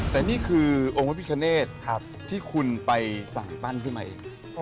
แต่นี่คือองค์พระพิคเนธที่คุณไปสั่งปั้นขึ้นมาเอง